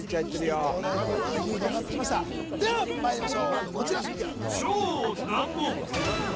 一気に東大王いいムードになってきましたではまいりましょうこちら